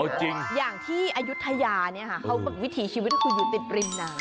จริงอย่างที่อายุทยาเนี่ยค่ะเขาวิถีชีวิตคืออยู่ติดริมน้ำ